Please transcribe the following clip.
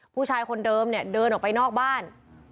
ผู้ชายคนเดิมเนี่ยเดินออกไปนอกบ้าน